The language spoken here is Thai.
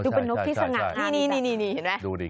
ดูเป็นนกพิสนักหน้านี้